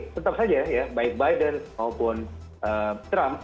tetap saja ya baik biden maupun trump